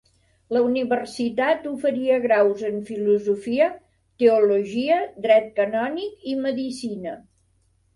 La universitat oferia graus en filosofia, teologia, dret canònic i medicina.